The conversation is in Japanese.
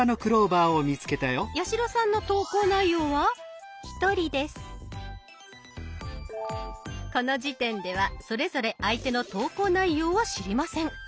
八代さんの投稿内容はこの時点ではそれぞれ相手の投稿内容は知りません。